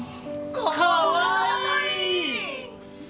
かわいい！